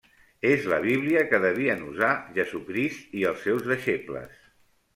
És la Bíblia que devien usar Jesucrist i els seus deixebles.